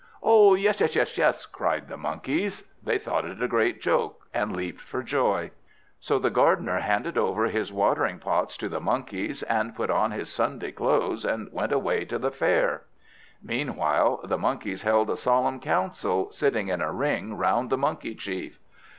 "Oh yes, yes, yes!" cried the Monkeys. They thought it a great joke, and leaped for joy. So the gardener handed over his watering pots to the monkeys, and put on his Sunday clothes, and went away to the fair. Meanwhile, the Monkeys held a solemn council, sitting in a ring round the Monkey chief.